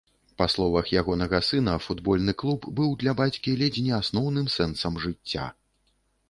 Па словах ягонага сына, футбольны клуб быў для бацькі ледзь не асноўным сэнсам жыцця.